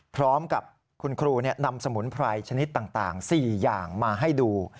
พร้อมกับคุณครูนำสมุนไพรชนิดต่าง๔อย่างมาให้ดู